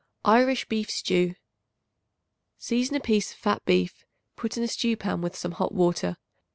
Irish Beef Stew. Season a piece of fat beef; put in a stew pan with some hot water.